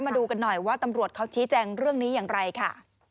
มาดูกันหน่อยว่าตำรวจเขาชี้แจงเรื่องนี้อย่างไรค่ะ